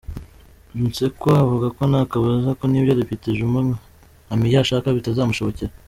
Msekwa avuga ko nta kabuza ko n’ibyo Depite Juma Nkamia ashaka bitazamushobokera.